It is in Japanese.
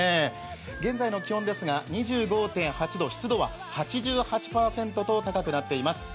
現在の気温ですが２５．８度湿度は８８％と高くなっています。